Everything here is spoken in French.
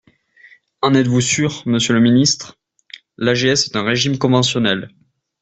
En êtes-vous sûr, monsieur le ministre ? L’AGS est un régime conventionnel.